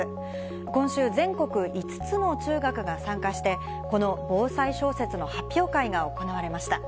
今週、全国５つの中学が参加して、この防災小説の発表会が行われました。